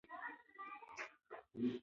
زه به ستا د غږ په لټه کې یم.